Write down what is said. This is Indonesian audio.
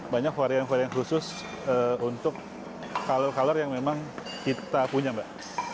banyak varian varian khusus untuk color color yang memang kita punya mbak